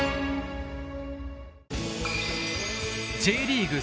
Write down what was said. Ｊリーグ